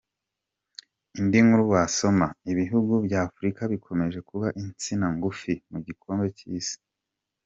Indi nkuru wasoma:Ibihugu bya Afurika bikomeje kuba insina ngufi mu gikombe cy’Isi.